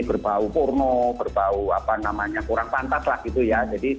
berbau porno berbau apa namanya kurang pantas lah gitu ya